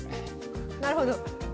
なるほど。